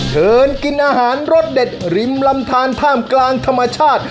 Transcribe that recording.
เชิญกินอาหารรสเด็ดริมลำทานท่ามกลางธรรมชาติ